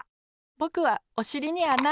ぼくはおしりにあな！